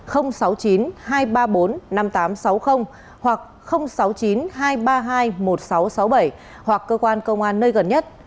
hoặc sáu mươi chín hai trăm ba mươi hai một nghìn sáu trăm sáu mươi bảy hoặc cơ quan công an nơi gần nhất